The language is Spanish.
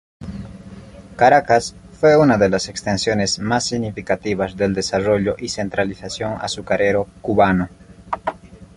Caracas fue una de las extensiones más significativas del desarrollo y centralización azucarero cubano.